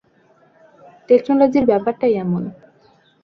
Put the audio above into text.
টেকনোলজির ব্যাপারটাই এমন।